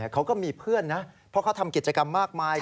เขาก็มีเพื่อนนะเพราะเขาทำกิจกรรมมากมาย